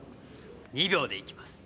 ２秒でいきます。